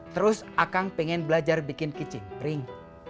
terus akang pengen belajar bikin kicimpring